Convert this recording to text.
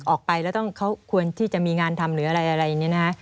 ออกไปแล้วต้องเขาควรที่จะมีงานทำหรืออะไรเนี่ยนะฮะ